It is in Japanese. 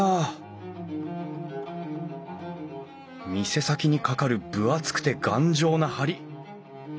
店先にかかる分厚くて頑丈な梁。